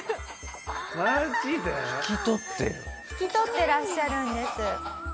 引き取ってらっしゃるんです。